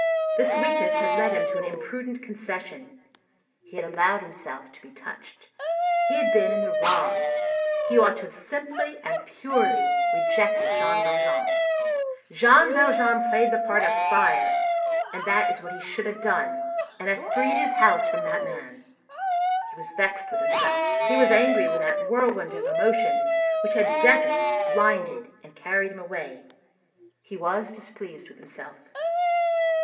This weakness had led him to an imprudent concession. He had allowed himself to be touched. He had been in the wrong. He ought to have simply and purely rejected Jean Valjean. Jean Valjean played the part of fire, and that is what he should have done, and have freed his house from that man. He was vexed with himself, he was angry with that whirlwind of emotions which had deafened, blinded, and carried him away. He was displeased with himself.